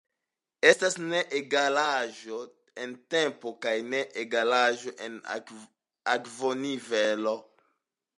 Estas ne-egalaĵo en tempo kaj ne-egalaĵo en akvonivelo.